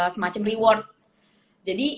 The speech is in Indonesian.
semacam reward jadi